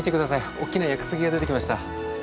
大きな屋久杉が出てきました。